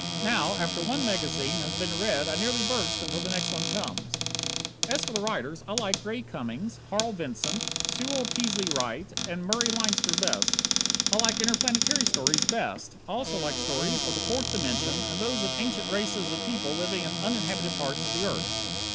Now, after one magazine has been read I nearly burst until the next one comes. As for the writers, I like Ray Cummings, Harl Vincent, Sewell Peaslee Wright, and Murray Leinster best. I like interplanetary stories best. I also like stories of the Fourth Dimension and those of ancient races of people living in uninhabited parts of the earth.